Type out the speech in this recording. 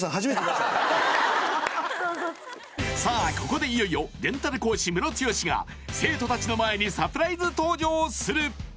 ここでいよいよレンタル講師ムロツヨシが生徒たちの前にサプライズ登場する！